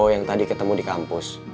yang tadi ketemu di kampus